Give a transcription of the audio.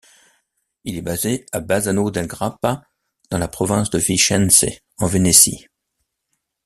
Il est basé à Bassano del Grappa dans la province de Vicence, en Vénétie.